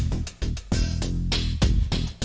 เมื่อกี้ก็ไม่มีเมื่อกี้